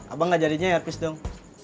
abang ngajarinya ya pis dong